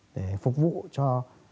để phục vụ cho